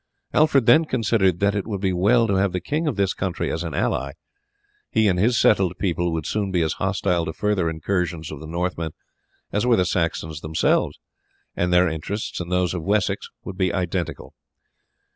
Alfred then considered that it would be well to have the king of this country as an ally; he and his settled people would soon be as hostile to further incursions of the Northmen as were the Saxons themselves, and their interests and those of Wessex would be identical.